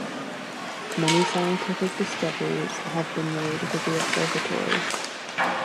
Many scientific discoveries have been made with the observatory.